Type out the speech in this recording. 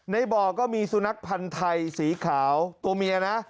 ในบ่อก็มีสุนัขพันธ์ไทยสีขาวตัวเมียนะ